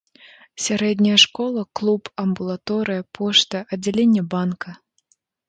Сярэдняя школа, клуб, амбулаторыя, пошта, аддзяленне банка.